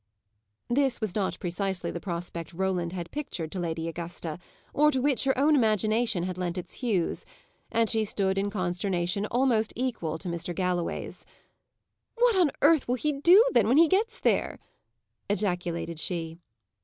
This was not precisely the prospect Roland had pictured to Lady Augusta, or to which her own imagination had lent its hues, and she stood in consternation almost equal to Mr. Galloway's. "What on earth will he do, then, when he gets there?" ejaculated she.